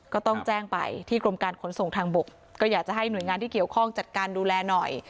ก็ต้องแจ้งไปที่กรมการขนส่งทางบกก็อยากจะให้หน่วยงานที่เกี่ยวข้องจัดการดูแลหน่อย